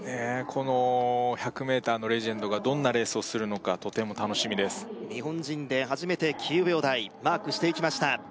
この１００ｍのレジェンドがどんなレースをするのかとても楽しみです日本人で初めて９秒台マークしていきました